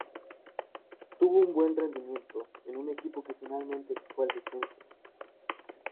Tuvo un buen rendimiento en un equipo que finalmente se fue al descenso.